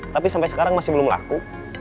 tapi sampai sekarang masih belum laku